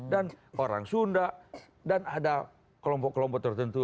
dan orang sunda dan ada kelompok kelompok tertentu